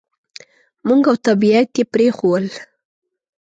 موږ او طبعیت یې پرېښوول.